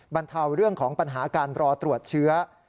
บรรเทาเรื่องของปัญหาการรอตรวจเชื้อ